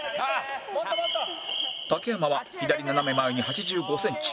竹山は左斜め前に８５センチ